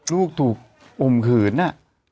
ลูกถูกอุ่มขืนอ่ะ